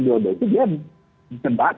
di delta itu dia dikebatas